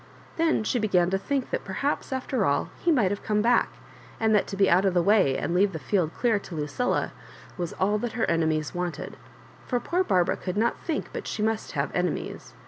Then she began to think that, per haps, after all, he might have come back, and that to be out of the way and leavid the field clear to Lucilla was all that her enemies wanted — ^for poor Barbara could not but think that she must have enemies.